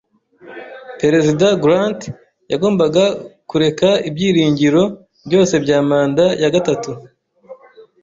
Perezida Grant yagombaga kureka ibyiringiro byose bya manda ya gatatu.